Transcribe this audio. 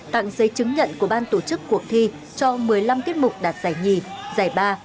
tặng giấy chứng nhận của ban tổ chức cuộc thi cho một mươi năm tiết mục đạt giải nhì giải ba